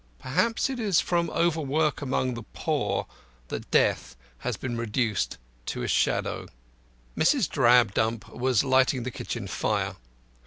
Perhaps it is from overwork among the poor that Death has been reduced to a shadow. Mrs. Drabdump was lighting the kitchen fire.